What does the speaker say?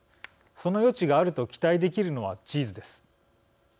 その余地があると期待できるのはチーズです。